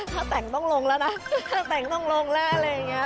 ถ้าแต่งต้องลงแล้วนะถ้าแต่งต้องลงแล้วอะไรอย่างนี้